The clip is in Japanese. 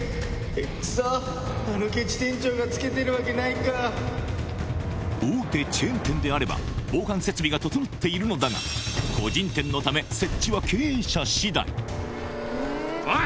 くそっ、あのけち店長がつけてる大手チェーン店であれば、防犯設備が整っているのだが、個人店のため、設置は経営者しだおい！